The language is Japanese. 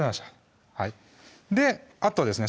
はいあとですね